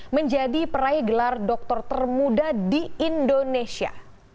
menjadi peraih gelar doktor termuda di indonesia